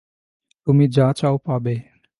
তুমি যা চাও পাবে।